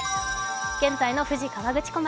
現在の富士河口湖町。